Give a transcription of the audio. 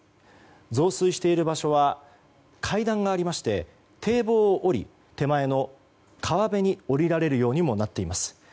増水している場所は階段がありまして堤防を下り手前の川辺に下りられるようにもなっています。